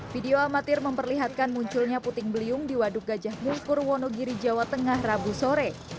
video amatir memperlihatkan munculnya puting beliung di waduk gajah bungkur wonogiri jawa tengah rabu sore